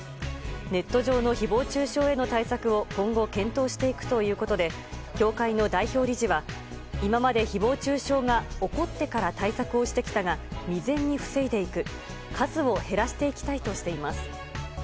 ネット上の誹謗中傷への対策を今後、検討していくということで協会の代表理事は今まで誹謗中傷が起こってから対策をしてきたが未然に防いでいく数を減らしていきたいとしています。